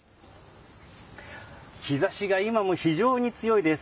日差しが今も非常に強いです。